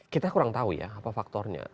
kita kurang tahu ya apa faktornya